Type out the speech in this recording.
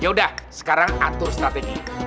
ya udah sekarang atur strategi